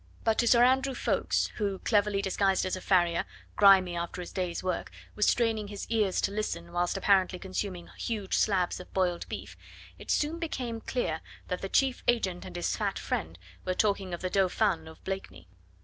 But to Sir Andrew Ffoulkes, who cleverly disguised as a farrier, grimy after his day's work was straining his ears to listen whilst apparently consuming huge slabs of boiled beef, it soon became clear that the chief agent and his fat friend were talking of the Dauphin and of Blakeney.